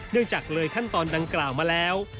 เนื่องจากเลยขั้นตอนดังกราวมาแล้ว